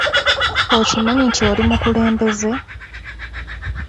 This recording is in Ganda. Okimanyi nti oli mukulembeze?